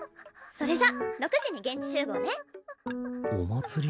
それじゃ６時に現地集合ね。